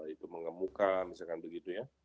itu mengemuka misalkan begitu ya